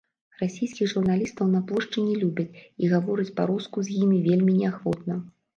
Расійскіх журналістаў на плошчы не любяць, і гавораць па-руску з імі вельмі неахвотна.